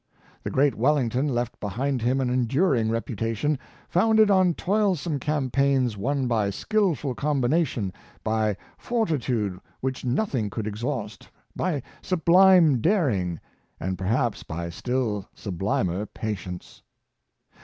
The great Wellington left behind him an enduring reputation, founded on toilsome campaigns won by skillful combination, by for titude which nothing could exhaust, by sublime daring, and perhaps by still sublimer patience.